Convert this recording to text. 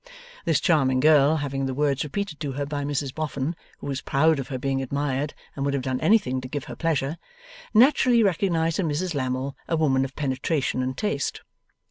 This charming girl having the words repeated to her by Mrs Boffin (who was proud of her being admired, and would have done anything to give her pleasure), naturally recognized in Mrs Lammle a woman of penetration and taste.